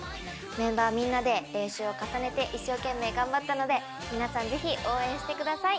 メンバーみんなで練習を重ねて、一生懸命頑張ったので、皆さんぜひ応援してください。